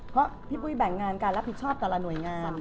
เพราะพี่ปุ้ยแบ่งงานการรับผิดชอบแต่ละหน่วยงาน